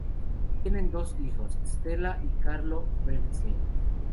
Tienen dos hijos, Stella y Carlo Bernstein.